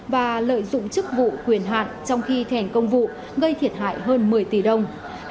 và lợi dụng chức vụ quyền hạn trong khi thèn công vụ gây thiệt hại hơn một mươi tỷ đồng